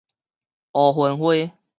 罌粟花